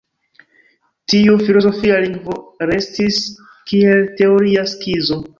Tiu filozofia lingvo restis kiel teoria skizo.